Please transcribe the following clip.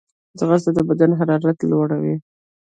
ځغاسته د بدن حرارت لوړوي